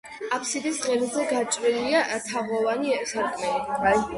აფსიდის ღერძზე გაჭრილია თაღოვანი სარკმელი.